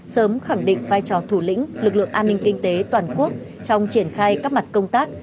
sớm khẳng định vai trò thủ lĩnh lực lượng an ninh kinh tế toàn quốc trong triển khai các mặt công tác